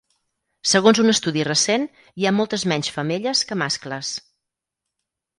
Segons un estudi recent, hi ha moltes menys femelles que mascles.